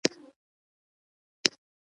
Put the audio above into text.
بوټونه د باران پر وخت ګټه لري.